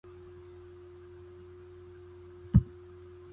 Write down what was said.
王安石全集